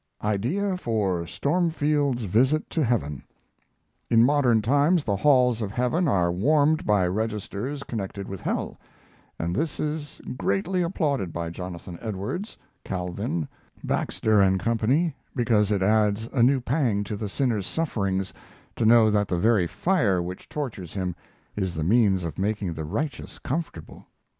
IDEA FOR "STORMFIELD'S VISIT TO HEAVEN" In modern times the halls of heaven are warmed by registers connected with hell; and this is greatly applauded by Jonathan Edwards, Calvin, Baxter and Company, because it adds a new pang to the sinner's sufferings to know that the very fire which tortures him is the means of making the righteous comfortable.